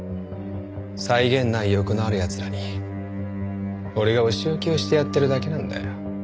際限ない欲のある奴らに俺がお仕置きをしてやってるだけなんだよ。